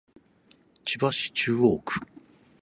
千葉市中央区